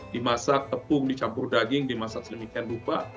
dimasak tepung dicampur daging dimasak sedemikian rupa